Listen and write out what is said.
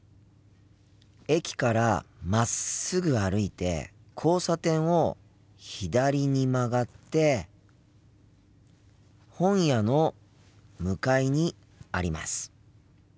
駅からまっすぐ歩いて交差点を左に曲がって本屋の向かいにあります。